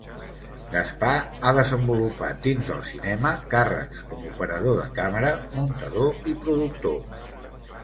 Gaspar ha desenvolupat dins del cinema càrrecs com operador de càmera, muntador i productor.